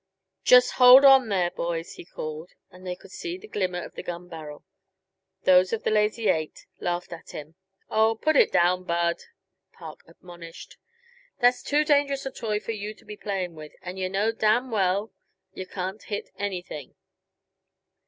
"Just hold on there, boys," he called, and they could see the glimmer of the gun barrel. Those of the Lazy Eight laughed at him. "Aw, put it down, Bud," Park admonished. "That's too dangerous a toy for you to be playing with and yuh know damn well yuh can't hit anything."